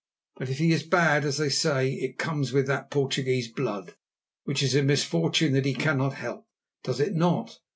But if he is bad, as they say, it comes with that Portuguese blood, which is a misfortune that he cannot help, does it not?